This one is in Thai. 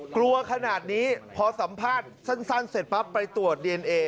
กลัวขนาดนี้พอสัมภาษณ์สั้นเสร็จปั๊บไปตรวจดีเอนเอ